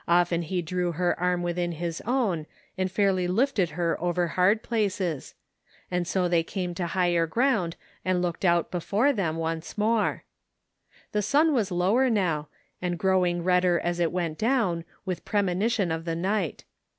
Often he drew her arm within his own and fairly lifted her over hard places; and so they came to higher ground and looked out before them once more. The sim was lower now, and growing redder as it went down with premonition of the night.